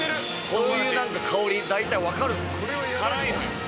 こういう香りで大体分かる辛いのよ。